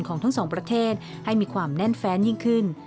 ของทั้งสองประเทศให้มีความแน่นแฟนยิ่งขึ้น